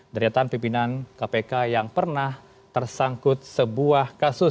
dari atas pimpinan kpk yang pernah tersangkut sebuah kasus